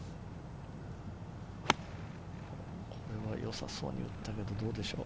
これはよさそうに打ったけど、どうでしょう？